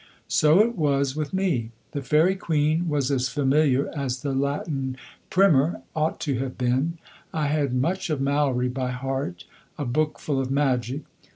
So it was with me. The Faerie Queen was as familiar as the Latin Primer ought to have been. I had much of Mallory by heart a book full of magic.